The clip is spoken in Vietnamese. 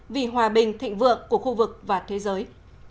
vì hòa bình thịnh vượng của khu vực và thế giới